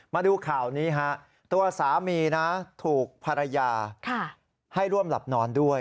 มาดูข่าวนี้ฮะตัวสามีนะถูกภรรยาให้ร่วมหลับนอนด้วย